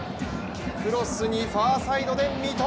クロスにファーサイドで三笘！